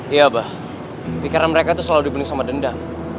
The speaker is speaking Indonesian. iya bah pikiran mereka tuh selalu dibunuh sama dendam